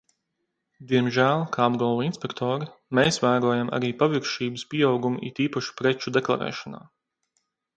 Diemžēl, kā apgalvo inspektori, mēs vērojam arī paviršības pieaugumu it īpaši preču deklarēšanā.